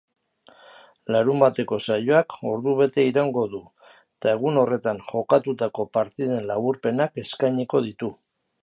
Larunbateko saioak ordubete iraungo du eta egun horretan jokatutako partiden laburpenak eskainiko ditu.